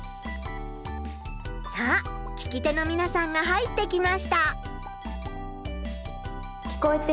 さあ聞き手のみなさんが入ってきました。